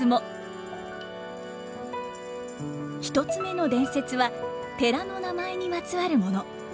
１つ目の伝説は寺の名前にまつわるもの。